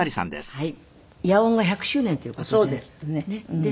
はい。